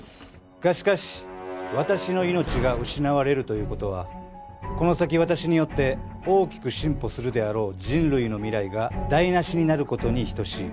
がしかし私の命が失われるという事はこの先私によって大きく進歩するであろう人類の未来が台無しになる事に等しい。